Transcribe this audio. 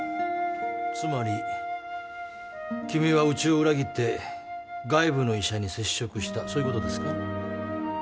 つまり君はウチを裏切って外部の医者に接触したそういうことか？